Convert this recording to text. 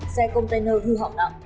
xe container hư hỏng nặng